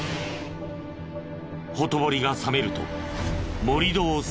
ほとぼりが冷めると盛り土を再開。